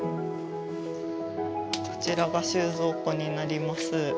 こちらが収蔵庫になります。